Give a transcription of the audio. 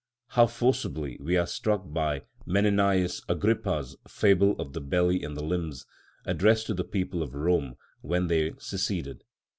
How forcibly we are struck by Menenius Agrippa's fable of the belly and the limbs, addressed to the people of Rome when they seceded.